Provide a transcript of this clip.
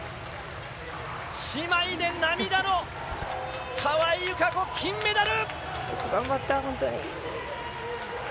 姉妹で涙の川井友香子、金メダル！